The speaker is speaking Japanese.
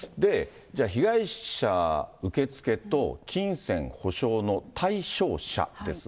被害者受け付けと金銭補償の対象者ですが。